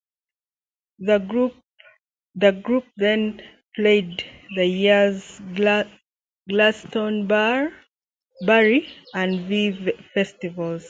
The group then played that year's Glastonbury and V festivals.